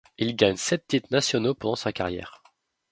Il gagne sept titres nationaux pendant sa carrière.